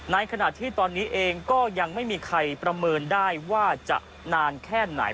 ในขณะที่ตอนนี้เองก็ยังไม่มีใครประเมินได้ว่าจะนานแค่ไหน